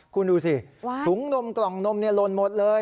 คุณดูสิถุงนมกล่องนมลนหมดเลย